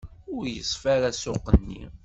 Ur yeṣfi ara ssuq-nni.